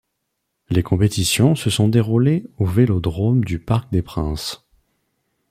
Les compétitions se sont déroulées au vélodrome du Parc des Princes.